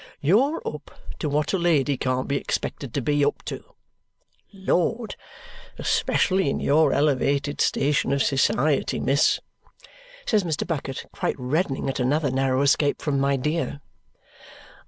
You're up to what a lady can't be expected to be up to. Lord! Especially in your elevated station of society, miss," says Mr. Bucket, quite reddening at another narrow escape from "my dear."